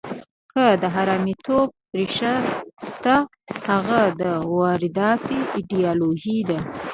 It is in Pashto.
که د حرامیتوب ریښه شته، هغه د وارداتي ایډیالوژیو ده.